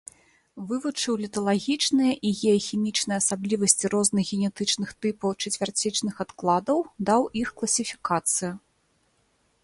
Вывучыў літалагічныя і геахімічныя асаблівасці розных генетычных тыпаў чацвярцічных адкладаў, даў іх класіфікацыю.